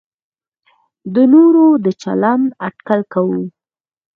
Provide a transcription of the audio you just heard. د نورو د چلند اټکل کوو.